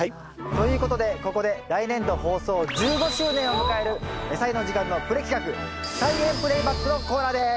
ということでここで来年度放送１５周年を迎える「やさいの時間」のプレ企画「菜園プレイバック」のコーナーです。